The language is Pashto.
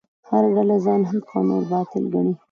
هره ډله ځان حق او نور باطل ګڼي.